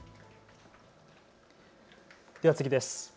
では次です。